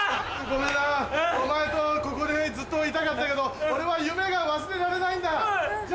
ごめんなお前とここでずっといたかったけど俺は夢が忘れられないんだじゃあな。